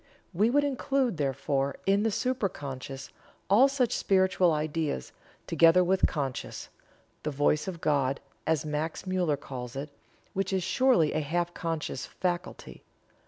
We would include, therefore, in the supra conscious, all such spiritual ideas, together with conscience the voice of God, as Max Muller calls it which is surely a half conscious faculty.